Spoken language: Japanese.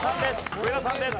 上田さんです。